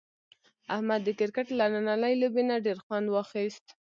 احمد د کرکټ له نننۍ لوبې نه ډېر خوند واخیست.